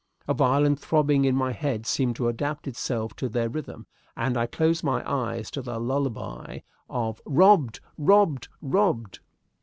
A violent throbbing in my head seemed to adapt itself to their rhythm, and I closed my eyes to the lullaby of "Robbed! robbed! robbed!"